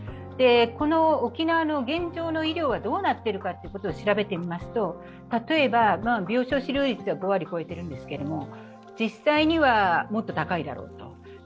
この沖縄の現状の医療がどうなっているか調べてみますと、例えば病床使用率は５割を超えているんですが、実際には、もっと高いだろうと。